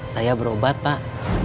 saya berobat pak